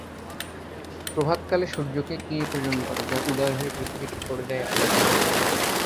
প্রভাতকালে সূর্যকে কে প্রেরণ করে, যা উদয় হয়ে পৃথিবীকে করে দেয় আলোকময়?